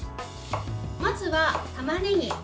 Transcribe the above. まずは、たまねぎ。